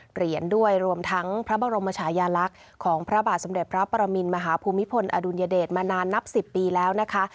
เหรียญด้วยรวมทั้งพระบรมชายาลักษณ์ของพระบาทสมเด็จพระปรมินมหาภูมิพลอดุลยเดชมานานนับ๑๐ปีแล้วนะคะ